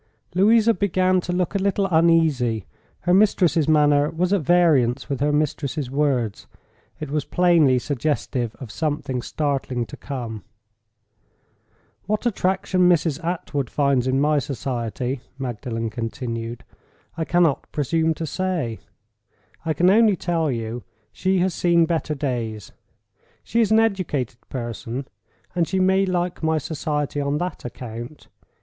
Louisa began to look a little uneasy. Her mistress's manner was at variance with her mistress's words—it was plainly suggestive of something startling to come. "What attraction Mrs. Attwood finds in my society," Magdalen continued, "I cannot presume to say. I can only tell you she has seen better days; she is an educated person; and she may like my society on that account.